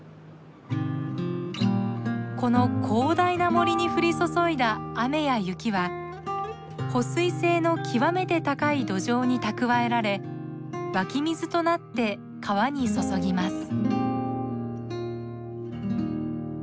この広大な森に降り注いだ雨や雪は保水性の極めて高い土壌に蓄えられ湧き水となって川に注ぎます。